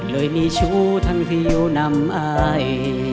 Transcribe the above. เลยมีชู้ทั้งพิโยนำไอ้